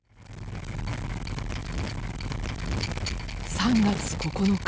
３月９日。